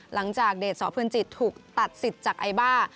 หลังจากเดชสเพลินจิตถูกตัดสิทธิ์จากไอบ้า